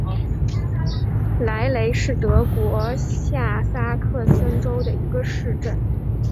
莱雷是德国下萨克森州的一个市镇。